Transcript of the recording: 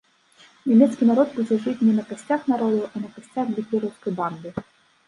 Нямецкі народ будзе жыць не на касцях народаў, а на касцях гітлераўскай банды.